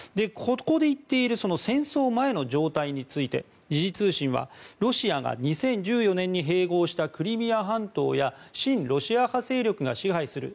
ここで言っている戦争前の状態について時事通信はロシアが２０１４年に併合したクリミア半島や親ロシア派勢力が支配する